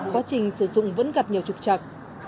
quá trình sử dụng vẫn gặp nhiều trục chặt